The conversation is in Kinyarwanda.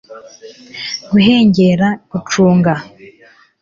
guhengera gucunga